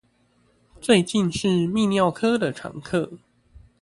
最近是泌尿科的常客